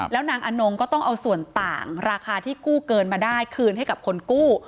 แล้วนางอนงก็ต้องเอาส่วนต่างราคาที่กู้เกินมาได้คืนให้กับคนกู้